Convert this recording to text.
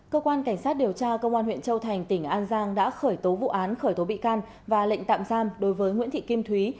cơ quan cảnh sát điều tra công an huyện châu thành tỉnh an giang đã khởi tố vụ án khởi tố bị can và lệnh tạm giam đối với nguyễn thị kim thúy